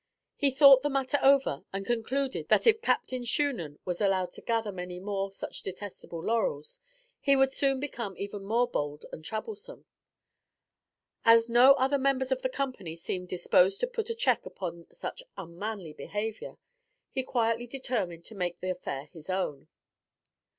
He thought the matter over and concluded that if Captain Shunan was allowed to gather many more such detestable laurels, he would soon become even more bold and troublesome. As no other member of the company seemed disposed to put a check upon such unmanly behavior, he quietly determined to make the affair his own.